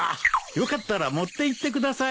よかったら持っていってください。